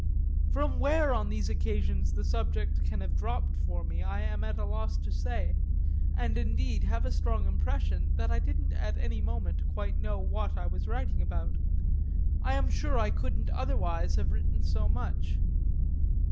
From where on these occasions that subject can have dropped for me I am at a loss to say, and indeed have a strong impression that I didn't at any moment quite know what I was writing about: I am sure I couldn't otherwise have written so much.